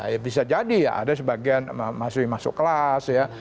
ya bisa jadi ya ada sebagian masih masuk kelas ya